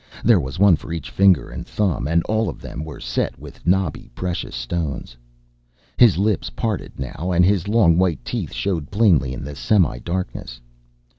There was one for each finger and thumb, and all of them were set with knobby precious stones. His lips parted now, and his long white teeth showed plainly in the semi darkness.